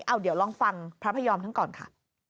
เอาเดี๋ยวลองฟังพระพยอมท่านก่อนค่ะ